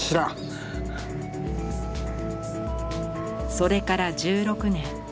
それから１６年。